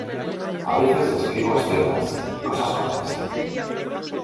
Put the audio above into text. A veces escribo escenas, cosas como esa.